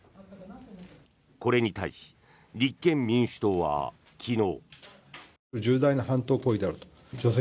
これに対し立憲民主党は昨日。